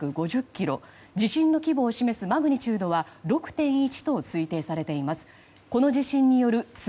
地震の規模を示すマグニチュードは６．１と推定されています。